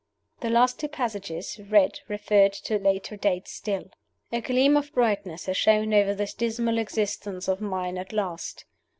The last two passages read referred to later dates still. "A gleam of brightness has shone over this dismal existence of mine at last.